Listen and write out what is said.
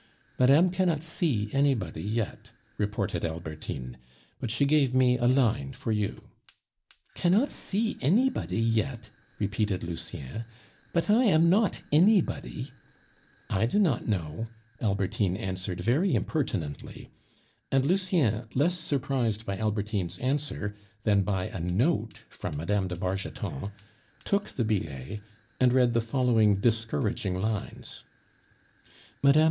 "Madame cannot see anybody yet," reported Albertine, "but she gave me a line for you." "Cannot see anybody yet?" repeated Lucien. "But I am not anybody " "I do not know," Albertine answered very impertinently; and Lucien, less surprised by Albertine's answer than by a note from Mme. de Bargeton, took the billet, and read the following discouraging lines: "Mme.